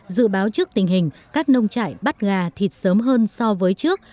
dự báo trước tình hình các nông trại bắt gà thịt sớm hơn so với trước